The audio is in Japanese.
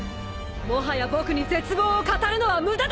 もはや僕に絶望を語るのは無駄だ！